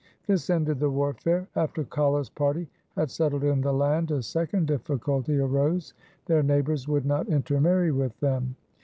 This ended the warfare. After Kala's party had settled in the land a second difficulty arose. Their neighbours would not intermarry with them.